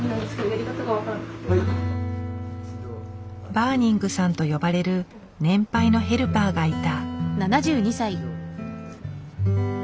「バーニングさん」と呼ばれる年配のヘルパーがいた。